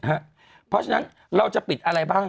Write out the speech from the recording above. เพราะฉะนั้นเราจะปิดอะไรบ้าง